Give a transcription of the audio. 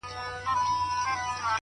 له ګودره یمه ستړی له پېزوانه یمه ستړی-